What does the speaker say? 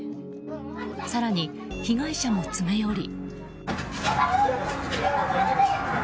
更に、被害者も詰め寄り。